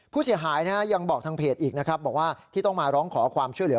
ผู้เสียหายยังบอกทางเพจอีกนะครับบอกว่าที่ต้องมาร้องขอความช่วยเหลือ